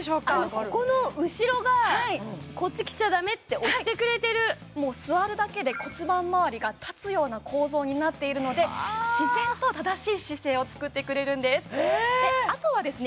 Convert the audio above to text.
ここの後ろがこっち来ちゃダメって押してくれてるもう座るだけで骨盤周りが立つような構造になっているので自然と正しい姿勢をつくってくれるんですえっあとはですね